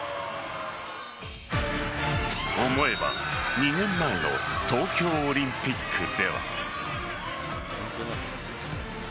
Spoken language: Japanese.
思えば２年前の東京オリンピックでは。